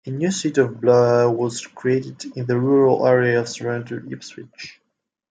A new seat of Blair was created in the rural area surrounding Ipswich.